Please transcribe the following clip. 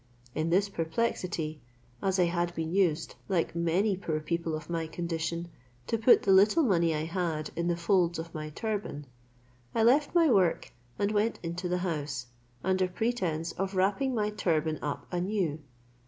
In this perplexity, as I had been used, like many poor people of my condition, to put the little money I had in the folds of my turban, I left my work, and went into the house, under pretence of wrapping my turban up anew.